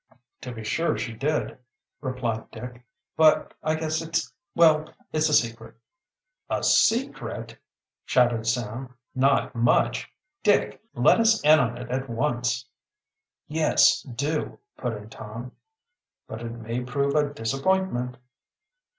"To be sure she did," replied Dick. "But I guess it's well, it's a secret." "A secret!" shouted Sam. "Not much, Dick! Let us in on it at once!" "Yes, do!" put in Tom. "But it may prove a disappointment."